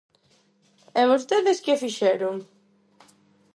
¿E vostedes que fixeron?